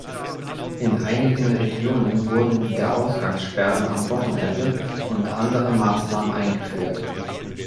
In einigen Regionen wurden wieder Ausgangssperren am Wochenende und andere Maßnahmen eingeführt.